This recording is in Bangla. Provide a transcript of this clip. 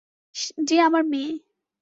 যে আমার মেয়ে।